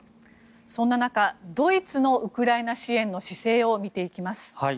そんな中、ドイツのウクライナ支援の姿勢を見ていきます。